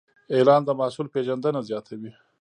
اعلان د محصول پیژندنه زیاتوي.